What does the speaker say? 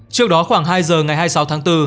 trước đó khoảng hai giờ ngày hai mươi sáu tháng bốn